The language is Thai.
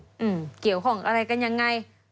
เกี่ยวข้องอะไรกันยังไง